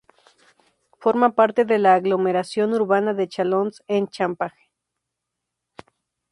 Forma parte de la aglomeración urbana de Châlons-en-Champagne.